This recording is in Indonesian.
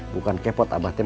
bukan kepot abah